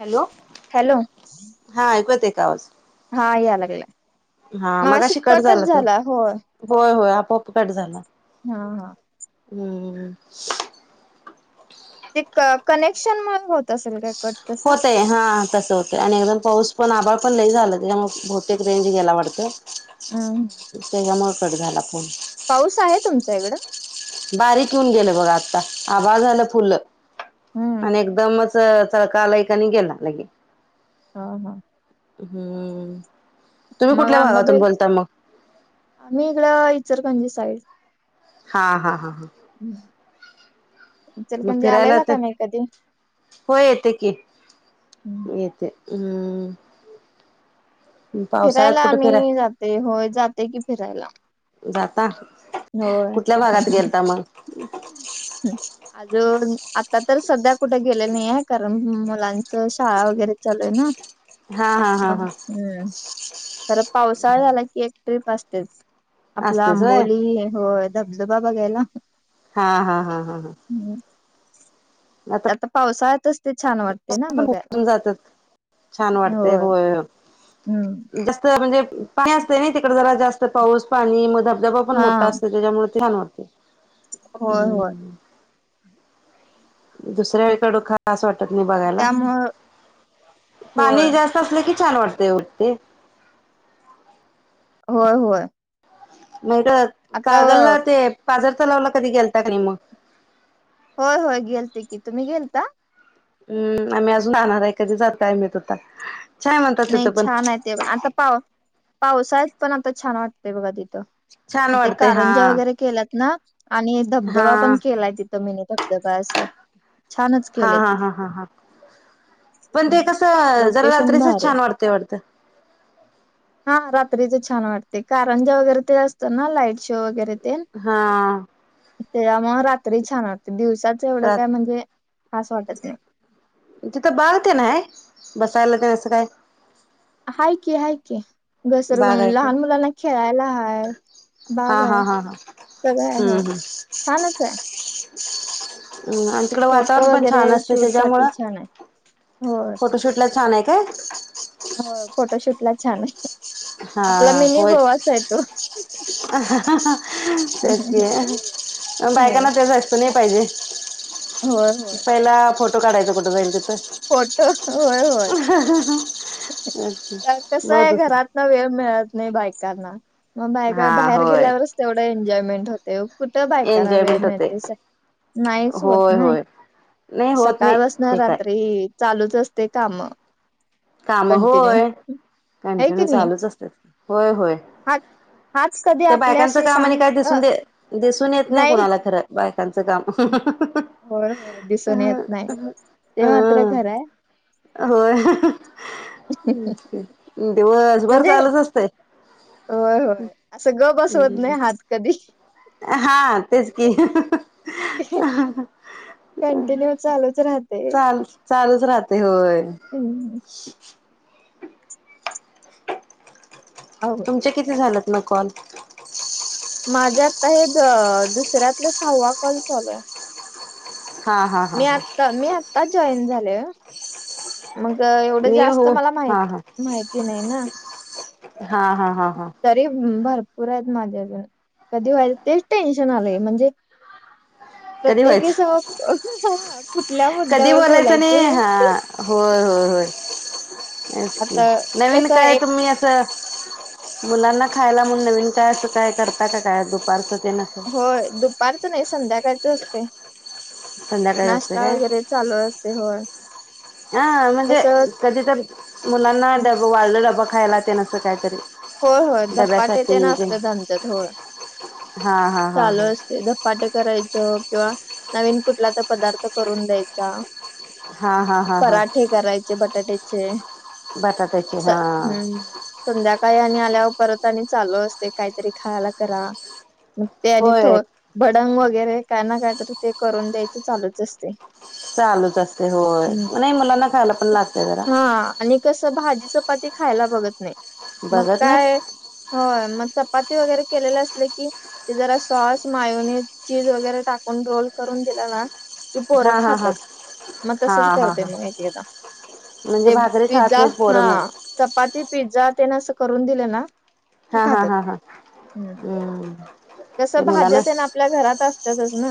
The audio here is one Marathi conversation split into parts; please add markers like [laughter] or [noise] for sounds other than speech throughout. हॅलो. हॅलो. हा ऐकू‌ येतंय का आवाज. हा याय लागलाय, हा मगाशी कट कटच तो झाला होय. होय होय आपोआप कट झाला. हा हा. हम्म. ते क कनेक्शन मुळं होत असेल काय कट तसा. होतय हा तसं होतंय. आणि एकदण पाऊस पण आभाळ पण लई झालं, त्यांच्यामुळं बहुतेक रेंज गेला वाटतं. हम्म तेच्या मुळं कट झाला फोन. पाऊस आहे तुमच्या इकडं. बारीक येऊन गेलं बघा आता, आभाळ झालं फुलं हम्म आणि एकदमच. [unintelligible] आणि गेला लगेच. हा हा. हम्म. तुम्ही मग कुठल्या आंबाबाई भागातून बोलता मग आम्ही, इकडं इचलकरंजी साईड. हा हा हा हा. हम्म. मग फिरायला का तर. नाही कधी हो येते की, येते हम्. फिरायला कुठे फिराय आम्ही जातो होय. जातो की फिरायला. जाता कुठल्या भागात गेलता मग. हम. अजून आता तर सध्या कुठे गेले नाही आहे, कारण मुलांच शाळा वगैरे चालूय ना. हा हा हा हम्म हा खरं पावसाळा झाला. की एक, ट्रिप असतेच. आपला असतेच होय आंबोली होय धबधबा बघायला. हा हा हा हा हा. हम्म. आता, आता पावसाळ्यातच ते छान वाट तसं पण उभारून जात्यात, छान वाटते होय. हम्म जास्त म्हणजे पाणी असतं नी, तिकडं जरा जास्त पाऊस पाणी मग धब धबधबा पण हा मोठा असतो, तेच्यामुळे ते छान वाटतं. होय होय. दुसऱ्या वेळी ऐवढं खास वाटत नाही, बघायला त्यामुळं होय पाणी जास्तं. असलं की छान वाटतं ओ ते. होय होय. नाही कळत आता कागल ला ते, पाजर तलावला कधी गेलता का नाही मग. होय होय गेलतो, की तुम्ही गेलता. हम्म आम्ही अजून आणणार आहे, कधी जातो काय माहित आता. छान म्हणतात नाही तिथं पण छान आहे ते आता पाव, पावसाळ्यात पण आता छान वाटतय बघा तिथं. छान ते वाटते हा कारंजा वेगैरे केल्यात ना. आणि धबधबा हा पण केलाय तिथं, मीनी धबधबा असं. छानच हा केलंय हा हा हा हा हम लोकेशनभारीय. वाढते वाढतं हा रात्रीचा छान वाटते कारंज्या वगैरे ते असतं ना लाईट शो वगैरे तेन. हा. तेज्यामुळं रात्री छान वाटते दिवसाच एवढं काय रात म्हणजे खास वाटत नाही. तिथं बाग तेन आहे बसायला तर असं काय? हाय की हाय की बाग घसरगुंड आहे काय लहान मुलांना खेळायला हाय. बाग हा हा आहे हा हा सगळं आहे हम्म व छानच आहे. [unintelligible] तिकडं फोटो वातावरण पण वगैरे छान असते शूट साठी त्याच्यामुळं छान आहे होय फोटोशूटला छान आहे काय? हो फोटोशूट ला छान आहे हा आपला मिनी होय गोवाच आहे तो. तेच की बायकांना तेज्या [unintelligible] नाही पाहिजे. होय होय पहिला फोटो काढायचा कुठं तरी तिथं. फोटो होय होय तर कसं मग आहे दुसरं घरात ना वेळ मिळत नाही बायकांना मग बायका हा बाहेर होय गेल्यावरच तेवढं एन्जॉयमेंट होते ओ. कुठं बायकाांना वेळ एन्जॉयमेंट होते मिळतेयस नाहीच होत होय नाही. होय नाही होत नाही सकाळ पासनं ते काय रात्री चालूच असते कामं. कामं होय की कंटिन्यू नाही. चालूच असतेत होय होय. हात हाच कधी ते बायकांच आपल्याशी काम आणि शांत काय अ, दिसून दे दिसून येत नाही कुणाला खरं बायकांचं काम होय होय दिसून येत हं नाही हं ते मात्र अं. खरं आहे होय हेच की दिवसभर म्हणजे चालूच असतय. होय होय असं गप्प बसवत नाही हात कधी. हा तेच की. कंटिन्यू चालूच राहते चाल चालूच राहते होय. उम्म. अवघड चे किती झालंत ना कॉल? माझ्या आता हे दुसऱ्यातलं सहावा कॉल चालू आहे? हा हा हा मी हा आता मी आत्ता जॉईन झाले हो. मग एवढं मी जास्त हो मला माहि हा हा माहिती नाही ना. हा हा. हा हा तरी भरपूर आहेत माझ्या गं कधी व्हायचं तेच टेन्शन आलंय म्हणजे कधी प्रत्येकीसह व्हायचं हा कुठल्या कधी मुद्द्यावर नाही बोलायचं. हा होय होय होय हेच की आता नवीन कसं काय एक तुम्ही असं मुलांना खायला म्हणून नवीन काय असं काय करता का काय दुपारचं तेनं? होय दुपारचं नाही संध्याकाळचं असतेय. संध्याकाळी असते नाश्ता काय वगैरे चालू असते होय हा म्हणजे असं कधी तर मुलांना डब वाढलं डब्बा खायला तेन असं काय काहीतरी. होय होय धपाटे डब्यासाठी तेन ते असतात आमच्यात होय हा हा हा चालू हा असते धप पाटे करायच किंवा नवीन कुठला तर पदार्थ करून द्यायचा. हा हा हा हा हा. ठे करायचे बटाट्याचे बटाट्याचे स हा हम्म. संध्याकाळी आणि आल्यावर परत आणि चालू असते काहीतरी खायला करा. ते आणि थो होय भडंग वगैरे काय ना काय तर ते करून द्यायचं चालूच असते. चालूच असते होय हम्म. नाही मुलांना खायला पण लागते जरा. हा आणि कसं भाजी चपाती खायला बघत नाही. [inaudible] मग काय नाहीत होय मग, चपाती वगैरे केलेले असले की. ते जरा सॉस मायुनी चीज वगैरे, टाकून रोल करून दिला ना. की पोरं हा हा हा खात्यात मग तसच, हा हा करते हा मग एकएकदा. म्हणजे ते भाकरी खात पिझ्झा नाहीत हा, पोरं मग चपाती पिझ्झा तेन असं करून दिलं ना. की हा हा खातात हा हा हम्म. ते कसं मुलांना भाज्यात तेन आपल्या घरात असत्यातच ना.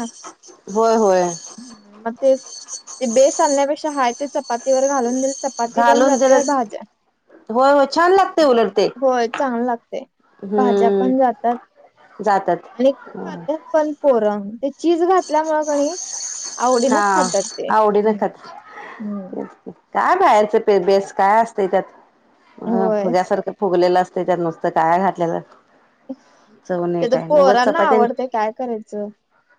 होय होय हम मग तेच ते बेस आण्यापेक्षा हाय ते चपाती वर घालून दिलं चपाती पण घालून त्याला जात्या भाज्या होय होय छान लागते उलट ते होय चांगल लागते भाज्या पण जातात. जात्यात. आणि खात्यात पण पोरं ते चीज घातल्यामुळ कणी. हा आवडीनं खातात ते आवडीन हम्म खात्यात तेच की. काय बाहेरच प बेस काय असते. त्यात अ होय फुग्यासारखं, फुगलेलं असते त्यात, नुसतं काय घातलेलं. चव नाही ते तर काय नाही. उगच पोरांना चपाती तेन. आवडते काय करायचं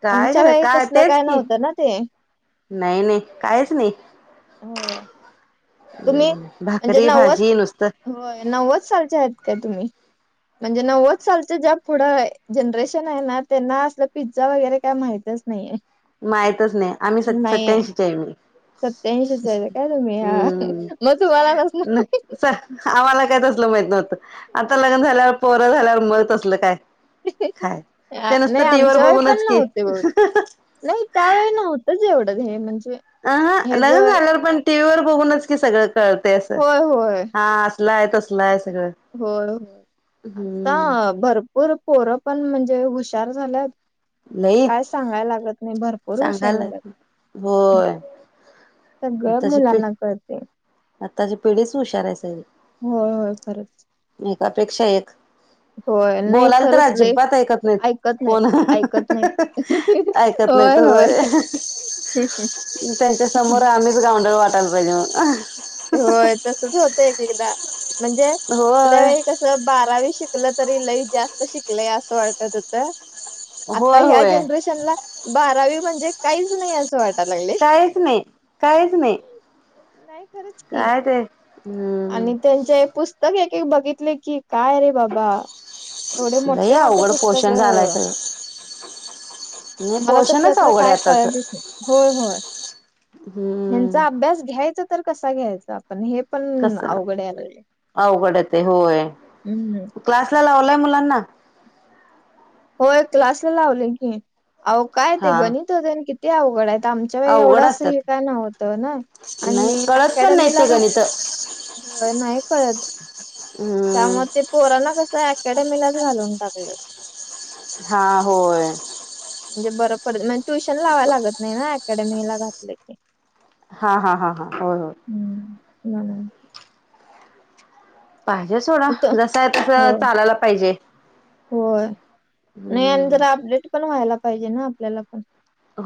काय आमच्या खरं वेळी काय तसलं तेच की, नव्हतं ना ते नाही नाही कायच नाही. होय. तुम्ही हम म्हणजे भाकरी नव्वद भाजी नुसतं. होय नव्वद सालच्या आहेत काय तुम्ही. म्हणजे नव्वद सालच ज्या पुढं जनरेशन आहे ना. त्यांना असलं पिझ्झा वगैरे काय माहि तेच नाहीये. माहितच नाही. आम्ही स नाहीये सत्याऐशीची आहे मी. सत्याऐंशीच आहे का मग तुम्ही, हा हम्म मग तुम्हाला कसलं माहीत. आम्हाला काय तसलं माहित नव्हतं, आता लग्नं झाल्यावर पोरं झाल्यावर मग असलं काय. काय आ, ते नाही नुसतं टीवी वर आमच्या वेळी पण बघूनच की, नव्हते बहु नाही त्यावेळी नव्हतंच. एवढं हे म्हणजे, अ हं हेज लग्नं झाल्यावर पण टीव्ही वर बघूनच की सगळं. कळतंय असं होय होय. हा असलं आहे तसलं आहे आत- सगळं. होय होय. आता हम्म भरपूर पोरं पण, म्हणजे हुशार झाल्यात. लई काय सांगायला लागत नाही, भरपूर हुशार सांगायला झालेत. होय सगळं आताची पि मुलांना कळते. आताची पिढीच हुशार आहे सगळी. होय होय खरंच. एकापेक्षा एक होय नाही बोलायला तर खरंच लय अजिबात ऐकत नाहीत ऐकत नाहीत कोण. ऐकत नाहीत. ऐकत नाहीत होय. त्यांच्या समोर आम्ही, गावंढळ वाटायला पाहिजे मग. होय तसंच होतंय एकेकदा म्हणजे मग होय आपलं. कसं बारावी शिकलं तरी लई जास्त शिकलय असं वाटत होतं. आता होय ह्या होय जनरेशनला बारावी म्हणजे, काहीच नाही असं वाटायला लागले. काहीच नाही, काहीच नाही. नाही खरंच की, काय ते हम्म आणि त्यांचे पुस्त पुस्तकं एक एक की, बघितलं की काय रे बाबा. एवढे लय मोठे मोठे अवघड पुस्तक पोषण झालंय आम्हाला सगळं. हम्म तर पोषणच त्यातलं अवघड आहे काय आताच. कळतच नाही. होय होय हू ह्यांचा अभ्यास घ्यायचा तर कसा घ्यायचा पण हे पण कसं अवघड याय लागलंय अवघड येते होय हू क्लासला लावलाय मुलांना होय क्लासला लावले की अवो काय ते हा गणित तेन किती अवघड हाइत आता आमच्या वेळी एवढं अवघड अस असतात हे काय नव्हतं ना नाही आणि कळत पण नाही अकॅडमीला ते घातलं गणित होय नाही कळत हम्म त्यामुळ ते पोरांना कस हाय अकॅडमीलाच घालून टाकलं हा होय म्हणजे बरं पडतं म्हणजे ट्युशन लावाय लागत नाही ना अकॅडमीला घातलं की हा हा हा हा होय होय हू म्हणून पाहिजे सोडा तो जस हाय तसं होय चालायला पाहिजे होय नाही आणि हम्म जरा अपडेट पण व्हायला पाहिजे ना आपल्याला पण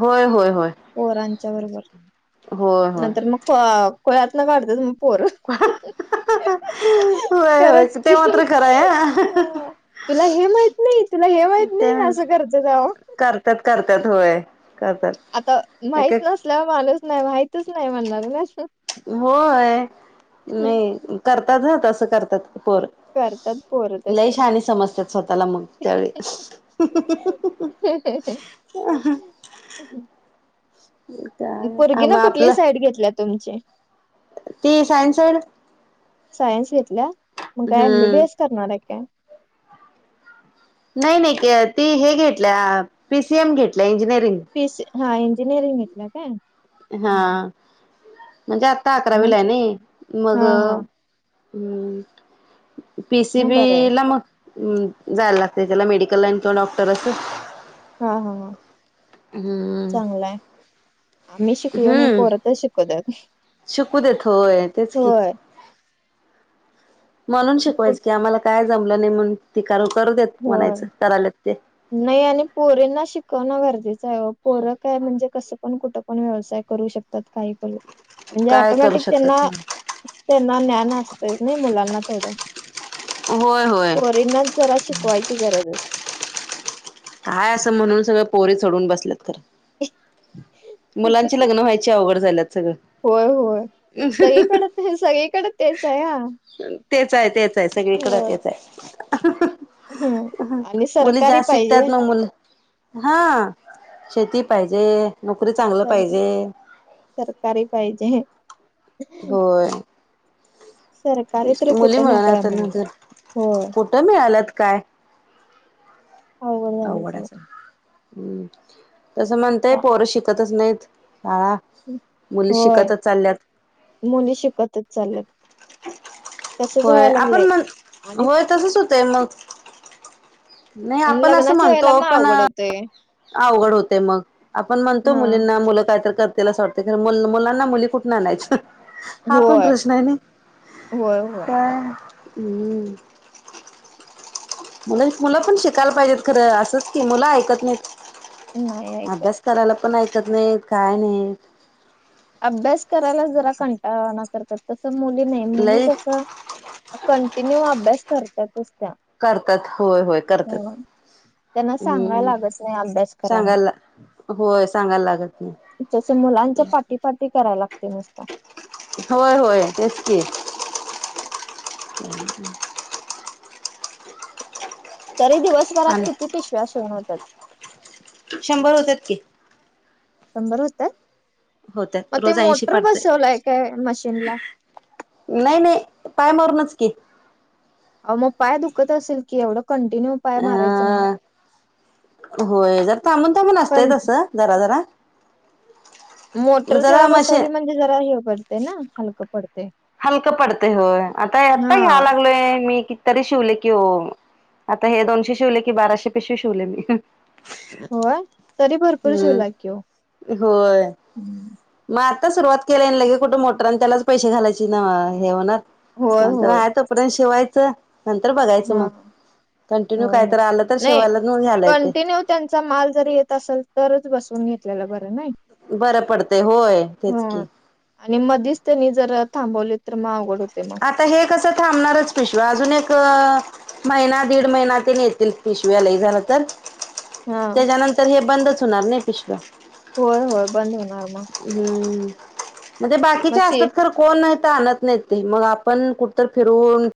होय होय होय पोरांच्या होय होय प खुळ्यातन काडत्यात म पोर होय होय खरच की ते मात्र खरं आहे हा तुला हे माहित नाही तुला हे माहित नाही असं करत्यात अहो करत्यात करत्यात होय करत्यात आता माहित नसल्यावर माणूच नाही माहितच नाही म्हणणार ना होय नाही करतात हा तसं करतात पोर करतात पोर लई तसे श्यानी समजतात स्वतःला मग त्यावेळी [unintelligible] [unintelligible] पोरगी मग न कुठली आपलं साईड घेतल्या तुमची ती सायन्स साइड सायन्स घेतल्या मग काय हम्म एमबीबीएस करणारये का काय नाई नाई ती हे घेतल्या पीसीएम घेतल्या इंजिनिअरिंग पी सी हा इंजिनिअरिंग घेतल्या काय हा हम्म म्हणजे आता अकरावीेला हाय म्हणजे नई मग हा हा हू मग बरं आहे पिसिबीला मग हू जायाला लागतय त्याला मेडिकल लाईन तो डॉक्टर अस हा हा हा हम्म चांगलाय आम्ही शिकलो नई हम्म पोर त शिक कुद्यात शिकू देत होय तेच की म्हणून कुठ शिकवायच की आम्हाला काय जमलं नई म्हणून ती करू करू देत म्हणायचं कराल्यात ते नई आणि पोरींना शिकवणं गरजेचं हाय ओ पोरं काय म्हणजे कसं पण कुठं पण व्यवसाय करू शकतात काही तरी म्हणजे काय करू आटोमॅटिक शकतात त्यांना त्यांना ज्ञान असतय नई मुलांना थोड होय होय पोरींनाच जरा शिकवायची गरज असते काय असं म्हणून सगळं पोरी चढून बसल्यात खर [inaudible] मुलांची लग्न व्हायची अवघड झाल्यात सगळं होय होय सगळीकडे ते सगळीकडे तेच ये हा. तेच हाय तेच हाय सगळीकडे होय तेच हाय. हम्म, आणि सरकारी पाहिजे. हो ना, हा शेती पाहिजे नोकरी चांगलं सर पाहिजे. सरकारी पाहिजे. होय सरकारी तर मुली कुठं नोकऱ्या मिळणात मिळाल्या म्हणलं होय कुठं मिळालात काय. अवघड झालंय अवघडा ये सगळं सगळ हम्म तसं म्हणतय चा- पोरं शिकतच नाहीत शाळा. मुली होय शिकतच चालल्यात मुली शिकतच चालल्यत. होय आपण म्हण, होय तसच होतय मग. नई आपण असं म्हणतो पण ते अवघड होतंय मग आपण म्हणतो हा मुलींना मुलं काय तरी करत त्यालां अस वाटतं, मुलांना मुली कुठन आणायच्या? हा पण होय प्रश्नय नई होय होय काय हम्म मूल पण शिकायला पाहिजेत खरं असंच की मुलं ऐकत नाही नाहीत ऐकत अभ्यास करायला पण ऐकत नई काय नई. अभ्यास करायला जरा कंटाळाणा करतात तस मुली नई मुली लई कस. कंटिन्यू अभ्यास करतातच त्या. करतात होय होय करतात. ह त्यांना सांगायला हम्म लागत नाही अभ्यास करा म्हणून सांगायला, होय सांगायला लागत नाय. जस मुलांच्या पाटी पाटी कराय लागते नुसता. होय होय तेच की. [unintelligible] तरी दिवसभरात आणि किती पिशव्या शिवून होतात? शंभर होत्यात की. शंभर होत्यात? होत्यात मग ते रोज ऐंशी मोटर पाडतोय बसवलंय काय मशीनला? नई नई पाय मारूनच की. अ मग पाय दुखत असेल की, एवढं कंटिन्यू. पाय अ मारायचं म्हणलं होय जर थांबून थांबून असतय पण तसं जरा जरा. मोटर जरा बसवली म्हणजे जरा हे पडते ना हलकं पडते. हलकं पडतंय होय आता हा आत्ता घ्याव लागलोय मी कित तरी शिवले की हो आता हे दोनशे शिवले की बाराशे पेशी शिवले मी. होय तरी भरपूर हम्म शिवलय की. होय मग आता सुरुवात केला लगे कुठे मोटरन त्यालाच पैसे घालायचे. न हे होणार होय म्हंटल, होय आहे तोवर शिवायचं. नंतर बघायचं हा मग कंटिन्यू होय कायत होय आलं तर नाही शिवायला मग घ्यायलाय ते. कंटिन्यू त्यांचा माल जर येत असेल तरच बसून घेतलेला बरं नाही. बरं पडतेय होय तेच हा की. आणि मधीच त्यांनी जर थांबवले तर मग अवघड होते मग. आता हे कसं थांबणारच पिशव्या अजून एक महिना दीड महिना ते न येतील पिशव्या लई झालं तर. हा त्याच्यानंतर हे बंदच होणार नाही पिशव्या. होय होय बंद होणार मग. हम्म म्हणजे मग बाकीच्या सी असतात खरं कोण नाही तर आणत नाही ते मग आपण कुठ तर फिरून